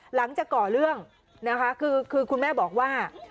ก่อเรื่องนะคะคือคุณแม่บอกว่า